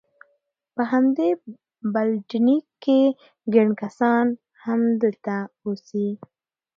په همدې بلډینګ کې، ګڼ کسان همدلته اوسي.